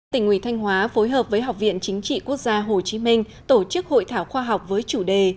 tỉnh ủy thanh hóa phối hợp với học viện chính trị quốc gia hồ chí minh tổ chức hội thảo khoa học với chủ đề